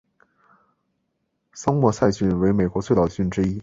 桑莫塞郡为美国最老的郡之一。